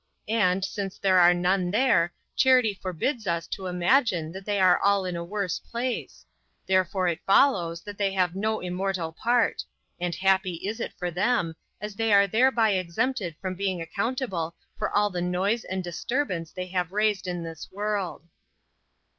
And, since there are none there, charity forbids us to imagine that they are all in a worse place; therefore it follows that they have no immortal part: and happy is it for them, as they are thereby exempted from being accountable for all the noise and disturbance they have raised in this world."